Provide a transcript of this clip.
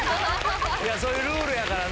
そういうルールやからね。